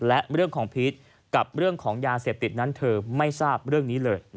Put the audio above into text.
และเรื่องของพีชกับเรื่องของยาเสพติดนั้นเธอไม่ทราบเรื่องนี้เลย